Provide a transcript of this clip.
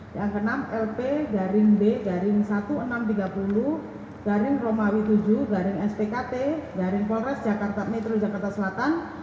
yang keenam lp garing d garing satu enam tiga puluh garing roma w tujuh garing spkt garing polres jakarta metro jakarta selatan